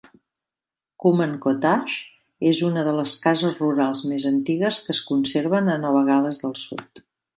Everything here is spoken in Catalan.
Cooma Cottage és una de les cases rurals més antigues que es conserven a Nova Gal·les del Sud.